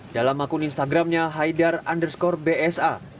dalam akun instagramnya haidar underscore bsa